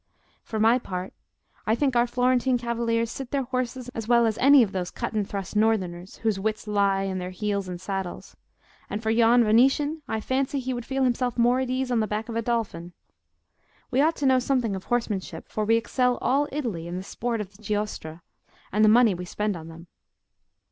For my part, I think our Florentine cavaliers sit their horses as well as any of those cut and thrust northerners, whose wits lie in their heels and saddles; and for yon Venetian, I fancy he would feel himself more at ease on the back of a dolphin. We ought to know something of horsemanship, for we excel all Italy in the sports of the Giostra, and the money we spend on them.